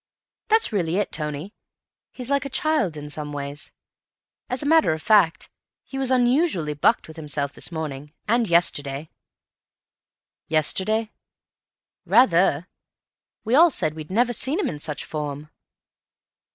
That's really it, Tony; he's like a child in some ways. As a matter of fact, he was unusually bucked with himself this morning. And yesterday." "Yesterday?" "Rather. We all said we'd never seen him in such form."